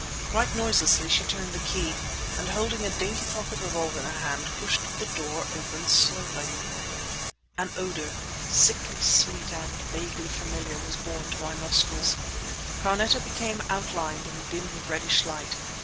Quite noiselessly she turned the key, and holding a dainty pocket revolver in her hand, pushed the door open slowly! An odour, sickly sweet and vaguely familiar, was borne to my nostrils. Carneta became outlined in dim, reddish light.